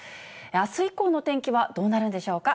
あす以降の天気はどうなるんでしょうか。